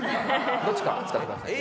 どっちか使ってくださいね。